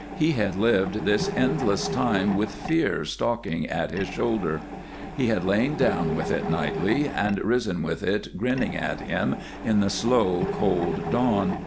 He had lived this endless time with Fear stalking at his shoulder. He had lain down with it nightly and risen with it grinning at him in the slow, cold dawn.